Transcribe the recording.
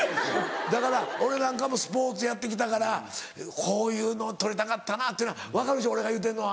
だから俺なんかもスポーツやって来たからこういうのを取りたかったなって分かるでしょ俺が言うてんのは。